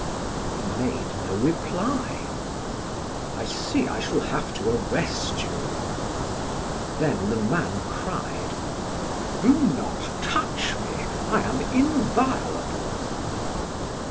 He made no reply. "I see I shall have to arrest you." Then the man cried: "Do not touch me. I am inviolable."